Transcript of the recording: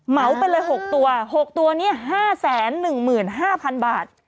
เหมาไปเลย๖ตัว๖ตัวนี้๕๑๕๐๐๐บาท